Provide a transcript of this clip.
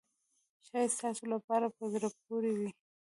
ښایي ستاسو لپاره په زړه پورې وي.